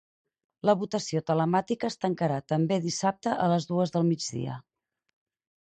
La votació telemàtica es tancarà també dissabte a les dues del migdia.